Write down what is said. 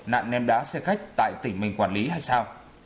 nạn ném đá xe khách tại tỉnh mình quản lý hay sao